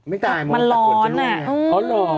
ไม่ตายมันร้อนน่ะอ๋อเหรอ